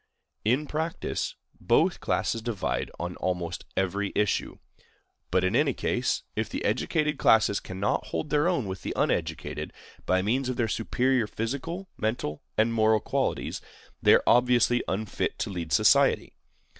In practice, both classes divide on almost every issue. But, in any case, if the educated classes cannot hold their own with the uneducated, by means of their superior physical, mental, and moral qualities, they are obviously unfit to lead society.